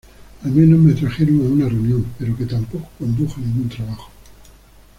Al menos me trajeron a una reunión, pero que tampoco condujo a ningún trabajo.